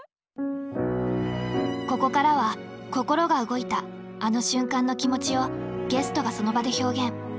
ここからは心が動いたあの瞬間の気持ちをゲストがその場で表現。